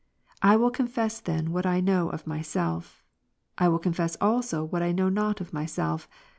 I will confess then what I know of my self, I will confess also what I know not of myself.